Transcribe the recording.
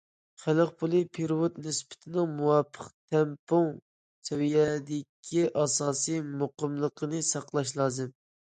خەلق پۇلى پېرېۋوت نىسبىتىنىڭ مۇۋاپىق، تەڭپۇڭ سەۋىيەدىكى ئاساسىي مۇقىملىقىنى ساقلاش لازىم.